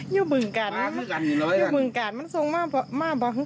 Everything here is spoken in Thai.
อยู่บึงกันอยู่บึงกันมันทรงมากเปล่า